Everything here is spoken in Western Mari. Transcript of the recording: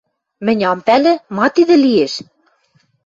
— Мӹнь ам пӓлӹ... ма тидӹ лиэш?..